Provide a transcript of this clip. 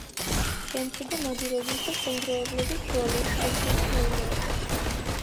შემცირდა ნადირობის და შემგროვებლობის როლი შემცირდა მეურნეობაში.